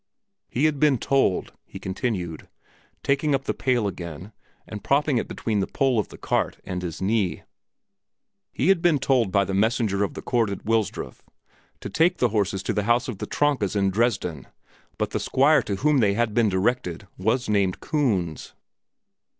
"He had been told," he continued, taking up the pail again and propping it between the pole of the cart and his knee "he had been told by the messenger of the court at Wilsdruf to take the horses to the house of the Tronkas in Dresden, but the Squire to whom he had been directed was named Kunz."